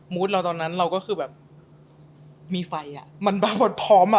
มูดเราตอนนั้นเราก็คือแบบมีไฟอะมันมาพร้อมอะ